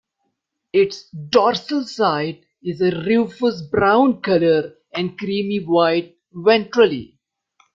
Its dorsal side is a rufous-brown colour, and creamy-white ventrally.